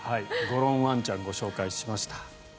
ゴロンワンちゃんご紹介しました。